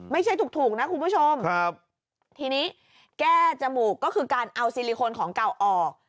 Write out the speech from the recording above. ไม่ใช่ถูกนะคุณผู้ชมครับทีนี้แก้จมูกก็คือการเอาซิลิโคนของเก่าออก